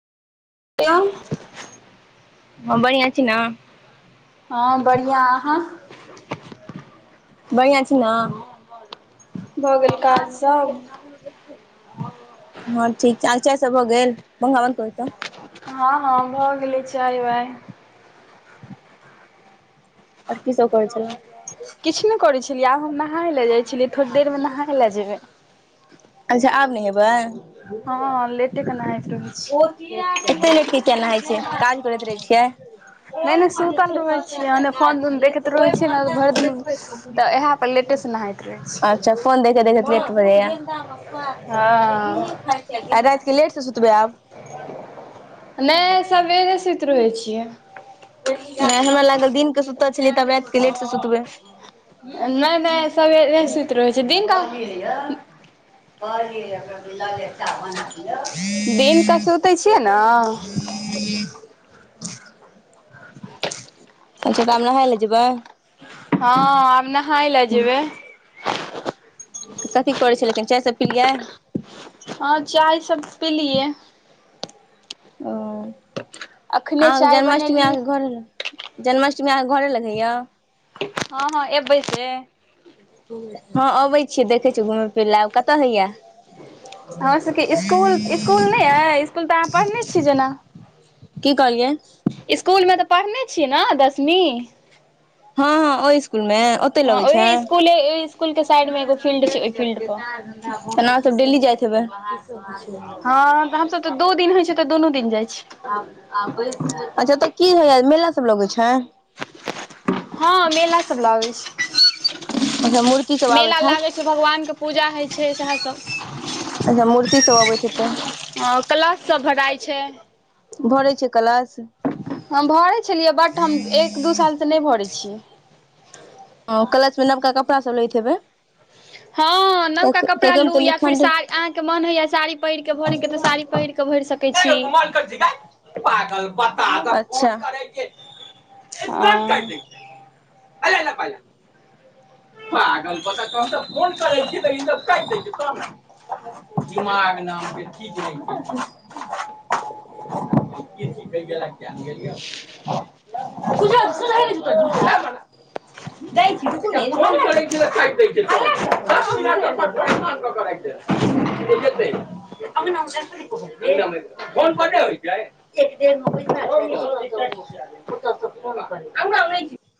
यौं। हँ बढ़ियां छी ने। हँ बढ़ियां अहाँ। बढ़ियां छी ने। भऽ गेल काज सभ। हँ ठीक छै, अहांके चाय सब भऽ गेल, पंखा बन्द कऽ दियो तऽ। हँ- हँ भऽ गेलै चाय- वाय। आर की सब करै छलौं। किछ नै करै छलियै, आब हम नहाय लए जाइ छलियै, थोड़े देर में नहाय लए जेबै। अच्छा आब नेहेबै। हँ लेटे के नहायत रहै छी। एते लेट के किया नहाय छियै, काज करैत रहै छियै। नै -नै सुतल रहैत छियै, फोन- उून देखैत रहै छियै ने तऽ भरि दिन तऽ इएह पर लेटे से नहाइत रहै छियै। अच्छा फोन देखैत- देखैत लेट भऽ जाइया। हँ आ राइत के लेटसँ सुतबै आब। नै सवेरे सुइत रहै छियै। नै हमरा लागल दिनके के सुतल छलियै, तऽ आब राइत के लेट से सुतबै। नै- नै सवेरे सुति रहै छियै दिन के दिनके सुतै छियै ने [inaudible] अच्छा तऽ आब नहाय लए जेबै। हँ आब नहाय लए जेबै। तऽ कथि करैत छलियै कनि चाय सभ पिलियै। हँ चाय सब पी लियै। ओ अखने अहाँके चाय जन्माष्टमी बनेलियै अहाँके घर जन्माष्टमी अहाँके घरे लग होइया। हँ- हँ एबै से। हँ अबै छीये देखै छीयै घुम फिरय लए, आब कतऽ होइया। हमर सबके स्कुल-स्कुल नै अय, स्कुल तऽ आहां पढ़ने छीये जेना। की कहलियै। इसकुलमें तऽ पढ़ने छियै ने दसमीं। हँ ओहि इसकुल में ओतै हँ लगै छै। ओहि स्कूले ओहि स्कूलके साइडमे एगो फील्ड छै ओहि फील्ड पर अहाँ सब डेली जाइत हेबै। हमस सब तऽ दू दिन होइ छै, तऽ दुनू दिन जाइ छीयै। अच्छा तऽ की होइया मेला सब लगै छै। हँ मेला सब लागै छै। अच्छा मूर्ति सब आबैत मेला हैत लागै छै, भगवानके पूजा होइ छै, सएह सब। अच्छा मूर्ति सब अबैत हेतै हं क्लश सब भराइ छै। भरै छियै क्लस। हम भरै छलियै, बट हम एक दू सालसँ नै भरै छियै। ह क्लस में नवका कपड़ा सब लैत हेबै। हँ नवका कियाकि कपड़ा ओहिमे लू तऽ या फिर निखण्ड साड़ी अहाँके मोन होइया साड़ी पहिरके भरेके तऽ साड़ी पहीर कऽ भइर सकैत छी। की करई छिहि गे पागल बताह अच्छा आ अल लका लो पागल धक तहन सँऽ फोन करै छिय तऽ ई सब कटि द ईत छय तहन दिमाग नामके चीज ने [inaudible] की सिखई गेलो किऐ ने गेलीय तु ज सुझई नई छ तोरा दूर सँ [inaudible] दई छी रुकू नै फोन करई छी त काइट दई छय फोन बड प्रसान कऽक राइख देत [inaudible] अंगना में जैब से नै हैते जो अंगना में दहीग फोन पर नई होइ छय एक ढ़ नकरी [inaudible] अंगना में नए छय